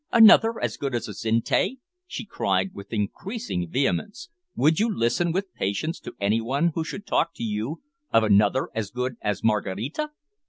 Another as good as Azinte!" she cried with increasing vehemence; "would you listen with patience to any one who should talk to you of another as good as Maraquita?"